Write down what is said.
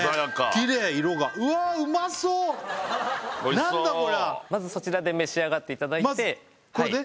きれい色がうわあうまそう何だこりゃおいしそうまずそちらで召し上がっていただいてまずこれで？